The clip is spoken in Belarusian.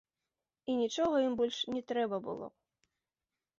І нічога ім больш не трэба было!